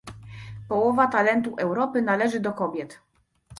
Połowa talentu Europy należy do kobiet